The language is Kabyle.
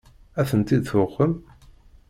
Ad tent-id-tuqem?